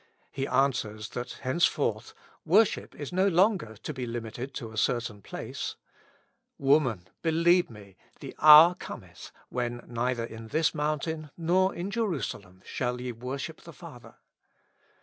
He answers that henceforth wor ship is no longer to be limited to a certain place :*' Woman, believe Me, the hour cometh, when neither in this mountain, nor in Jerusalem, shall ye worship the Father."